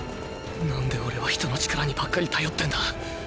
なんでオレは人の力にばっかり頼ってんだ。